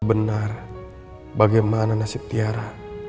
benar bagaimana nasib tiara